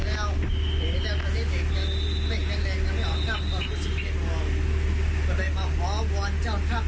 ในความกลัวผมก็ได้วดแล้ว